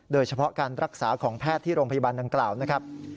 โดยเฉพาะการรักษาของแพทย์ที่โรงพยาบาลดังกล่าวนะครับ